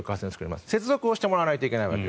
接続をしてもらわないといけない。